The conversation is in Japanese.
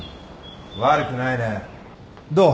悪くないね。どう？